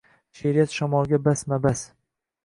She’riyat – shamolga basma–bas